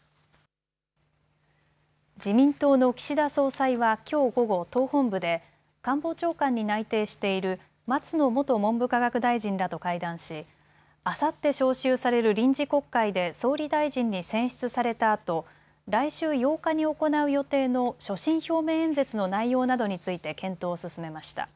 自民党の岸田総裁はきょう午後、党本部で官房長官に内定している松野元文部科学大臣らと会談しあさって召集される臨時国会で総理大臣に選出されたあと来週８日に行う予定の所信表明演説の内容などについて検討を進めました。